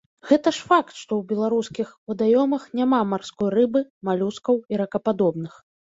Гэта ж факт, што ў беларускіх вадаёмах няма марской рыбы, малюскаў і ракападобных.